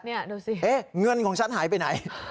นี่ดูสิเงินของฉันหายไปไหน